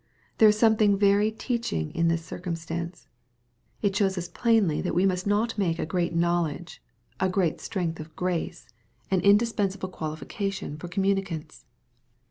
There is something very teaching in this circumstance. It shows us plainly that we must not make great know* ledge, and great strength of grace, an indispensable [ 880 EXPOSITOBY THOUGHTflll qualification for communicants.